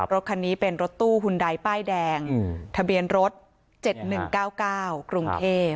รถคันนี้เป็นรถตู้หุ่นใดป้ายแดงทะเบียนรถ๗๑๙๙กรุงเทพ